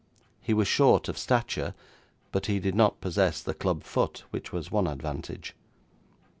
He was short of stature, but he did not possess the club foot, which was one advantage.